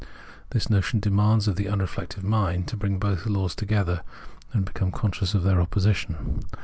The notion demands of the unreflective mind to bring both laws together, and become conscious of their opposition.